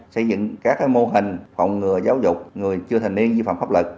xây dựng các mô hình phòng ngừa giáo dục người chưa thành niên vi phạm pháp lực